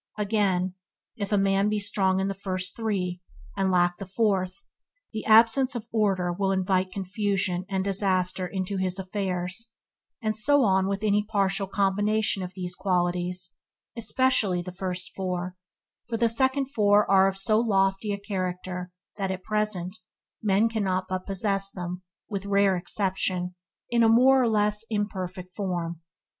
Again, if a man be strong in the first three, and lack the fourth, the absence of order will invite confusion and disaster into his affairs; and so on with any partial combination of these qualities, especially of the first four, for the second four are of so lofty a character that at present men can but possess them, with rare exceptions, in a more or less imperfect form.